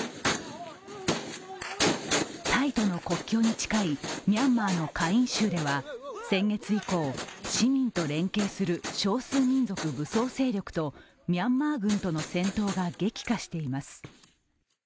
タイとの国境に近いミャンマーのカイン州では先月以降、市民と連携する少数民族武装勢力とミャンマー軍との戦闘が激化しています。